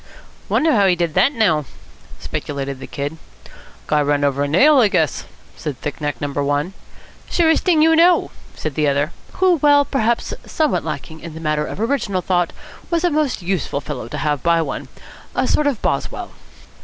"Wonder how he did that, now?" speculated the Kid. "Guy ran over a nail, I guess," said thick neck number one. "Surest thing you know," said the other, who, while perhaps somewhat lacking in the matter of original thought, was a most useful fellow to have by one. A sort of Boswell.